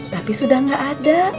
tapi sudah nggak ada